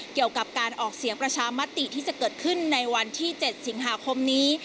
เกี่ยวกับการออกเสียงประชามติที่จะเกิดขึ้นในวันที่๗สิงหาคมนี้